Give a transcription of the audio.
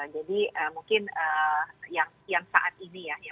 jadi mungkin yang saat ini ya